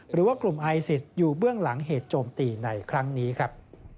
หรือว่ากลุ่มไอซิสอยู่เบื้องหลังเหตุโจมตีในครั้งนี้ครับ